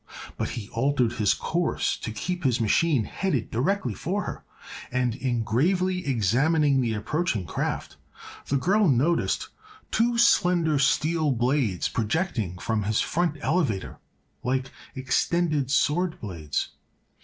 But he altered his course to keep his machine headed directly for her and in gravely examining the approaching craft the girl noticed two slender steel blades projecting from his front elevator, like extended sword blades.